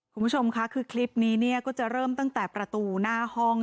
คุณผู้ชมค่ะคือคลิปนี้เนี่ยก็จะเริ่มตั้งแต่ประตูหน้าห้อง